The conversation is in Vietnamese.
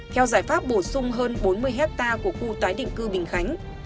theo giải pháp bổ sung hơn bốn mươi hectare của khu tái định cư bình khánh